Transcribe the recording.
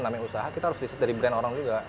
namanya usaha kita harus riset dari brand orang juga